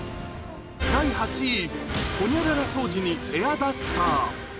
第８位、ホニャララ掃除にエアダスター。